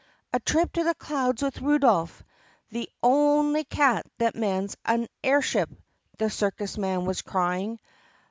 "A trip to the clouds with Rudolph, the on'y cat that mans a air ship!" the circus man was crying.